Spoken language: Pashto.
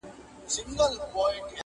څوک یې درې څوک یې څلور ځله لوستلي٫